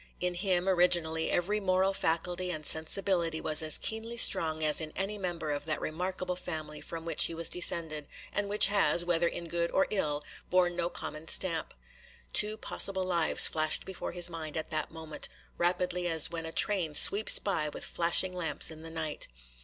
In him, originally, every moral faculty and sensibility was as keenly strung as in any member of that remarkable family from which he was descended, and which has, whether in good or ill, borne no common stamp. Two possible lives flashed before his mind at that moment, rapidly as when a train sweeps by with flashing lamps in the night.